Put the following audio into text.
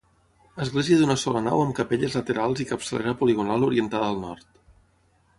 Església d'una sola nau amb capelles laterals i capçalera poligonal orientada al nord.